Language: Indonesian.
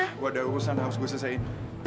gue ada urusan harus gue selesain